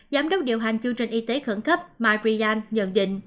giám đốc điều hành chương trình y tế khẩn cấp marian nhận định